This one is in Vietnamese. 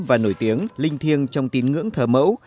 và nổi tiếng linh thiêng trong tín ngưỡng thờ mẫu